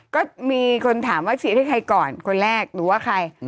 ก็มีคนถามว่าฉีดให้ใครก่อนคนแรกหรือว่าใคร